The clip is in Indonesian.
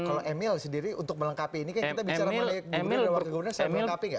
kalau emil sendiri untuk melengkapi ini kan kita bicara sama wakil gubernur saya melengkapi gak